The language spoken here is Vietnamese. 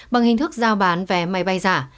bằng hình thức giao bán vé máy bay giả